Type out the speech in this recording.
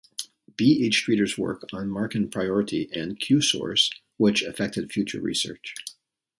B. H. Streeter's work on Markan priority and Q source which affected future research.